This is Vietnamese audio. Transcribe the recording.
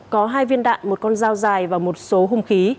có hai viên đạn một con dao dài và một số hung khí